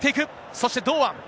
そして、堂安。